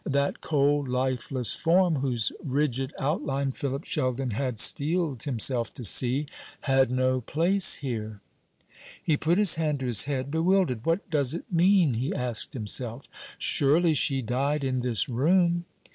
That cold lifeless form, whose rigid outline Philip Sheldon had steeled himself to see, had no place here. He put his hand to his head, bewildered. "What does it mean?" he asked himself; "surely she died in this room!"